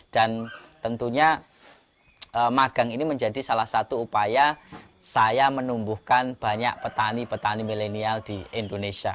dan tentunya magang ini menjadi salah satu upaya saya menumbuhkan banyak petani petani milenial di indonesia